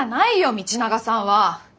道永さんは。